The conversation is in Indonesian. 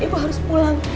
ibu harus pulang